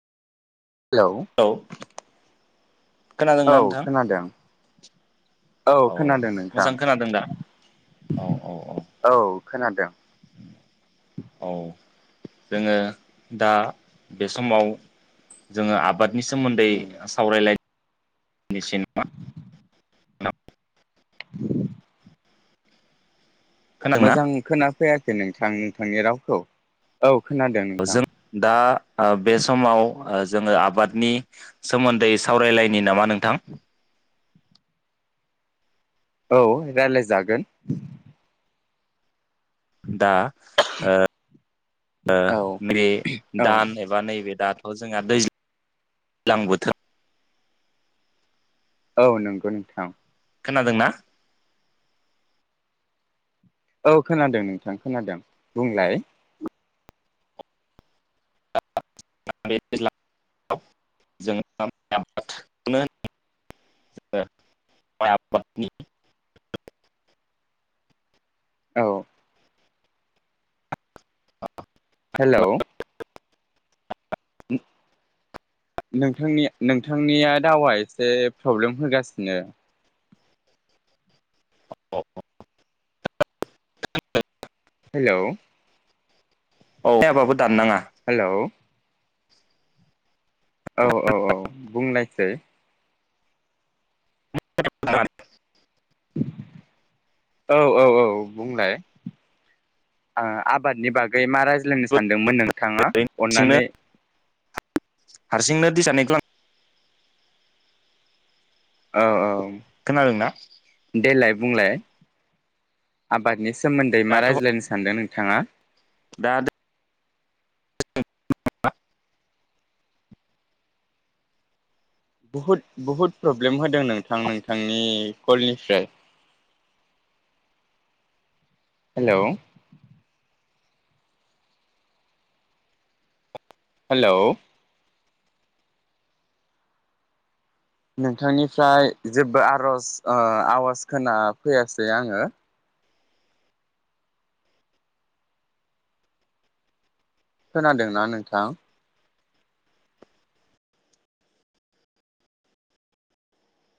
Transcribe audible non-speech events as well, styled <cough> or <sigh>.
Hello. औ औ खोनादोंना नोंथां। खोनादों औ खोनादों नोंथां मोजां खोनादों दा औ औ औ। औ खोनादों। औ जोङो दा बे समाव जोङो आबाद नि सोमोन्दै सावरायलाय निसिन <inaudible> खोनादोंना मोजां खोनाफैयाखै नोंथां नोंथांनि रावखौ औ खोनादों। अ नोंथां जों दा ओ बे समाव ओ जोङो आबादनि सोमोन्दै सावरायलायनि नामा नोंथां। औ राय्लायजागोन। दा ओ ओ औ मे औ दान बा नैबे दाथ' जोंहा दैज लां बोथोर औ नंगौ नोंथां। खोनादों ना? औ खोनादों नोंथां खोनादों बुंलाय। बे दैज्लां <inaudible> जों आबादखौनो ओ माइ आबादनि औ हेलौ उम नोंथांनिया नोंथांनिया दावआ एसे प्रब्लेम होगासिनो। औ हेलौ औ जायाबाबो दाननाङा। हेलौ औ औ औ बुंनायसै। औ औ औ बुंलाय। आ आबादनि बागै मा रायज्लायनो सानदोंमोन नोंथाङा हारसिंनो अननानै हारसिंनो दिसानायखौ औ औ खोनादोंना? देलाय बुंलाय आबादनि सोमोन्दै मा दाथ' रायज्लायनो सानदों नोंथाङा। दा बुहुद बुहुद प्रब्लेम होदों नोंथां नोंथांनि कलनिफ्राय। Hello hello. नोंथांनिफ्राय जेबो आर'ज ओ आवाज खोना फैयासै आङो। खोनादोंना नोंथां?